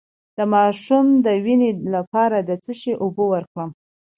د ماشوم د وینې لپاره د څه شي اوبه ورکړم؟